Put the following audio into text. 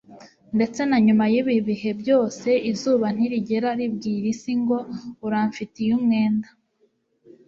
ndetse na nyuma yibi bihe byose, izuba ntirigera ribwira isi ngo: uramfitiye umwenda